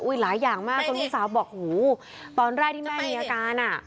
หลายอย่างมากจนลูกสาวบอกหูตอนแรกที่แม่มีอาการอ่ะ